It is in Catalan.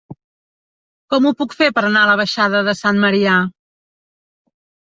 Com ho puc fer per anar a la baixada de Sant Marià?